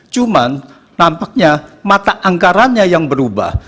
cuman nampaknya mata anggarannya yang berubah